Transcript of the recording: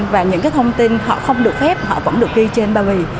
và những thông tin họ không được phép họ vẫn được ghi trên bao bì